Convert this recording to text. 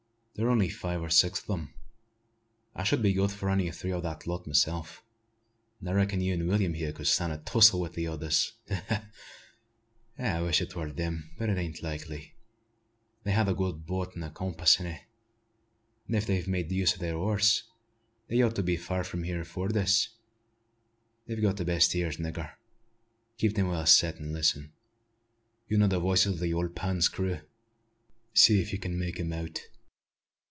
There were only five or six o' them. I should be good for any three o' that lot myself; an' I reckon you an' Will'm here could stan' a tussle wi' the others. Ah! I wish it war them. But it arn't likely: they had a good boat an' a compass in it; and if they've made any use o' their oars, they ought to be far from here long afore this. You've got the best ears, nigger: keep them well set, an' listen. You know the voices o' the ole Pan's crew. See if you can make 'em out."